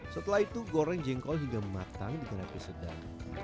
setelah itu goreng jengkol hingga matang dengan api sedang